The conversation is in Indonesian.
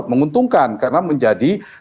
menguntungkan karena menjadi